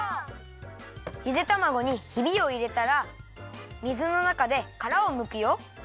ゆでたまごにヒビをいれたら水のなかでからをむくよ。